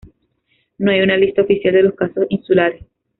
No hay una lista oficial de los Casos Insulares.